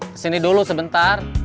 kesini dulu sebentar